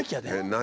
何？